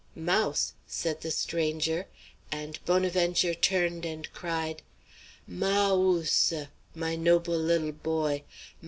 "Mouse," said the stranger, and Bonaventure turned and cried: "Mah ooseh! my nob'e lil boy!